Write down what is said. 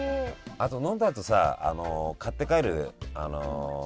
あと飲んだあとさ買って帰る人たちもさ